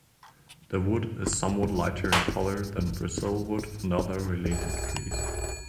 The wood is somewhat lighter in color than Brazilwood and other related trees.